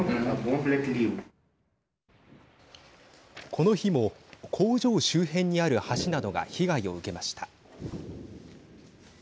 この日も工場周辺にある橋などが被害を受けました。